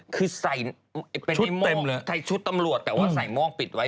คือใส่ชุดตำรวจแต่ว่าใส่ม่องปิดไว้